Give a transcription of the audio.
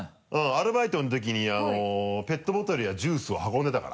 アルバイトの時にペットボトルやジュースを運んでたから。